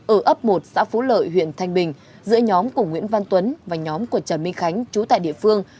ở ấp một xã phú lợi huyện thanh bình giữa nhóm của nguyễn văn tuấn và nhóm của trần minh khánh chú tại địa phương